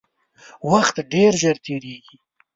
وخت ډیر ژر تیریږي